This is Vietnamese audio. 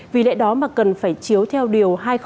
vì lẽ đó mà cần phải chiếu theo điều